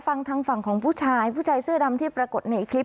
ฟังทางฝั่งของผู้ชายผู้ชายเสื้อดำที่ปรากฏในคลิป